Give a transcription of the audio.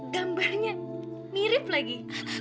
gambarnya mirip lagi